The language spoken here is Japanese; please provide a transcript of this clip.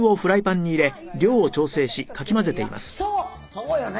そうよね」